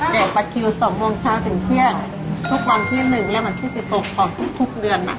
เดี๋ยวบัตรคิว๒โมงเช้าถึงเที่ยงทุกวันที่๑และวันที่๑๖ของทุกเดือน